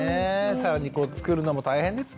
更にこう作るのも大変ですもんね。